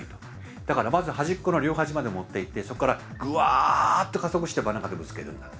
だからまず端っこの両端まで持っていってそっからグワーッと加速して真ん中でぶつけるんだと。